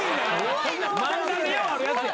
漫画でようあるやつや。